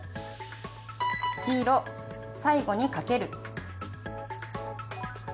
黄色・最後にかける。